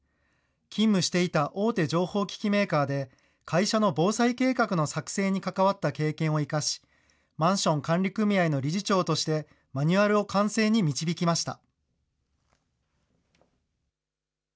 勤務していた大手情報機器メーカーで、会社の防災計画の作成に関わった経験を生かし、マンション管理組合の理事長として、マニュアルを完成に導きました。